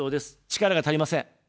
力が足りません。